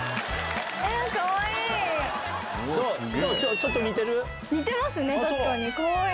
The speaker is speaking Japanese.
ちょっと似てる？